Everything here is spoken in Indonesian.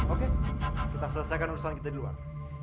oke kita selesaikan urusan kita di luar